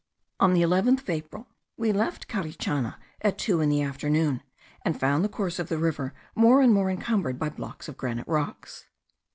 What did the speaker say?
On the 11th of April, we left Carichana at two in the afternoon, and found the course of the river more and more encumbered by blocks of granite rocks.